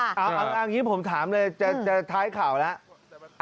เอาอย่างนี้ผมถามเลยจะท้ายข่าวแล้ว